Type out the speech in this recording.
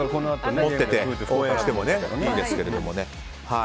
持ってて応援してもいいですけどね。